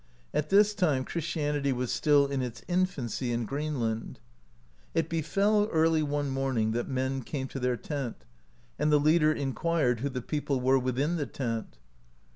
At this time Christianity was still in its infancy in Greenland. It be fell » early one morning, that men came to their tent, and the leader in quired who the people were within the tent.